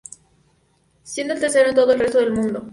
Siendo el tercero en todo el resto del mundo.